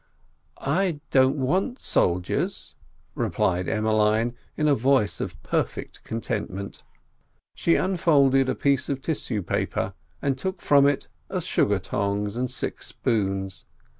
"I don't want soldiers," replied Emmeline, in a voice of perfect contentment. She unfolded a piece of tissue paper, and took from it a sugar tongs and six spoons.